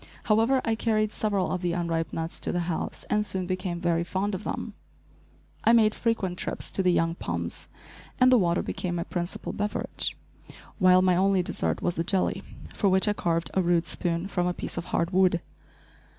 However, I carried several of the unripe nuts to the house, and soon became very fond of them. I made frequent trips to the young palms and the water became my principal beverage, while my only dessert was the jelly, for which I carved a rude spoon from a piece of hard wood.